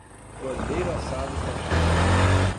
Cordeiro assado está cheio